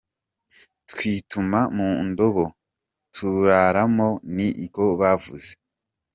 Twituma mu ndobo turaramo’, ni ko bavuze.